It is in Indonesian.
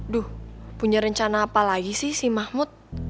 duh punya rencana apa lagi sih si mahmud